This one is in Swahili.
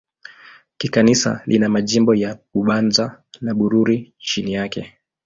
Kikanisa lina majimbo ya Bubanza na Bururi chini yake.